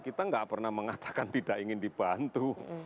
kita nggak pernah mengatakan tidak ingin dibantu